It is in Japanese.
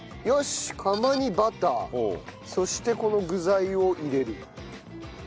よし釜にバターそしてこの具材を入れる。